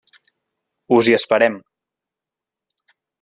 Us hi esperem!